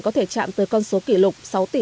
có thể chạm tới con số kỷ lục sáu tỷ